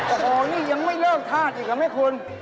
โอ้โหนี่ยังไม่เลิกธาตุอีกเหรอไหมคุณ